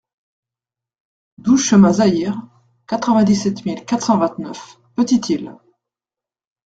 douze chemin Zaire, quatre-vingt-dix-sept mille quatre cent vingt-neuf Petite-Île